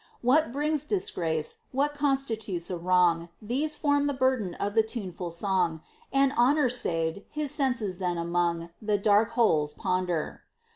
What brings disgrace, what constitutes a wrong, These form the burden of the tuneful song: And honor saved, his senses then among The dark holes ponder.